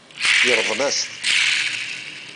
Yeṛḍel-as-t.